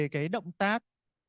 cái động tác